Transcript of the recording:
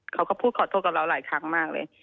เขาก็พูดขอโทษกับเราหลายครั้งมากเลย